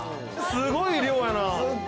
すごい量やな！